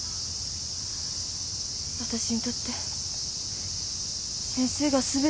私にとって先生が全てだった。